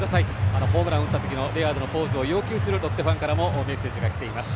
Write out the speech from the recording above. あのホームランを打ったときのレアードのポーズを要求するロッテファンからもメッセージが来ています。